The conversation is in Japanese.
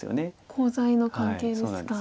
コウ材の関係ですか。